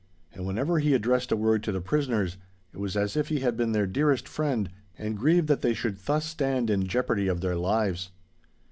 And whenever he addressed a word to the prisoners, it was as if he had been their dearest friend, and grieved that they should thus stand in jeopardy of their lives.